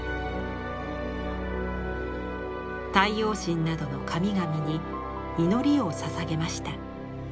太陽神などの神々に祈りをささげました。